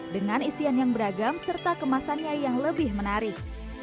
dengan isian yang beragam serta kemasannya yang lebih menarik